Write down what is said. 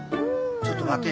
ちょっと待て。